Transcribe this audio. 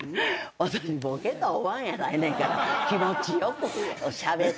私ぼけたおばはんやないねんから気持ち良くしゃべっとん。